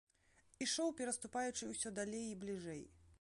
Ішоў, пераступаючы ўсё далей і бліжэй.